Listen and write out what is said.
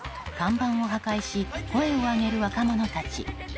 看板を破壊し声を上げる若者たち。